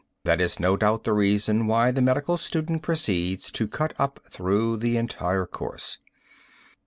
That is no doubt the reason why the medical student proceeds to cut up through the entire course.